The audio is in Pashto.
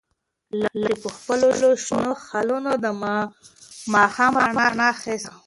لښتې په خپلو شنو خالونو د ماښام رڼا حس کړه.